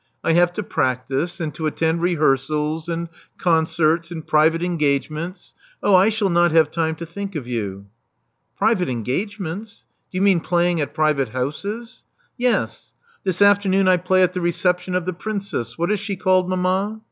I have to practise, and to attend rehearsals, and concerts, and private engagements. Oh, I shall not have time to think of you." Private engagements. Do you mean playing at private houses?" Yes. This afternoon I play at the reception of the Princess — what is she called, mamma?"